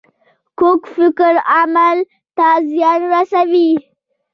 کوږ فکر عمل ته زیان رسوي